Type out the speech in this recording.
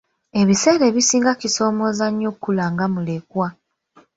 Ebiseera ebisinga kisomooza nnyo okula nga mulekwa.